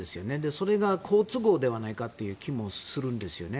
それが、好都合ではないかという気もするんですよね。